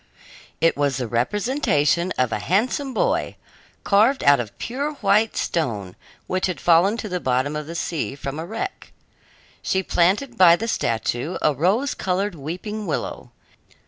It was the representation of a handsome boy, carved out of pure white stone, which had fallen to the bottom of the sea from a wreck. She planted by the statue a rose colored weeping willow.